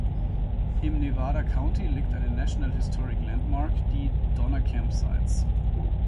Im Nevada County liegt eine National Historic Landmark, die Donner Camp Sites.